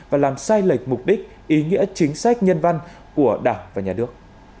và làm sai lệch mục đích ý nghĩa chính sách nhân văn của đảng và nhà nước